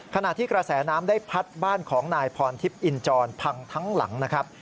ขณะที่กระแสน้ำได้พัดบ้านของนายพรทิพย์อินจรพังทั้งหลังนะครับ